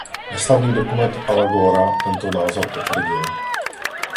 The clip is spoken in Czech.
Neslavný dokument Ala Gorea tento názor potvrdil.